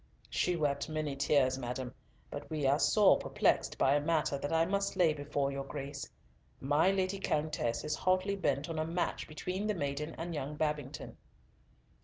"She wept many tears, madam, but we are sore perplexed by a matter that I must lay before your Grace. My Lady Countess is hotly bent on a match between the maiden and young Babington."